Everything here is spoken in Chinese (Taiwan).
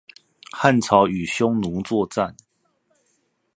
漢朝和匈奴作戰